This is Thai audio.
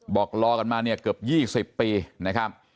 บอกรอกันมาเนี่ยเกือบ๒๐ปีนะครับ